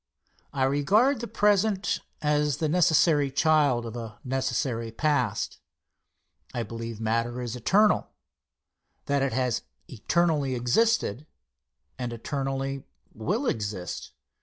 I regard the present as the necessary child of a necessary past. I believe matter is eternal; that it has eternally existed and eternally will exist.